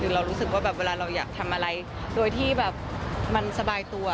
เรารู้สึกว่าแบบเวลาเราอยากทำอะไรโดยที่แบบมันสบายตัว